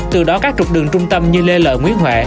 từ đó các trục đường trung tâm như lê lợi nguyễn huệ